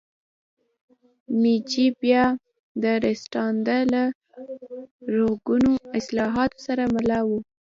میجي بیا راستنېدنه له رغوونکو اصلاحاتو سره مله وه.